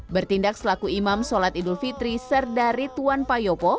bertindak selaku imam solat idul fitri serdari tuan payopo